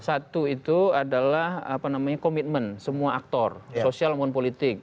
satu itu adalah apa namanya komitmen semua aktor sosial dan politik